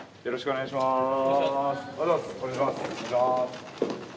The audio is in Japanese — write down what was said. よろしくお願いします。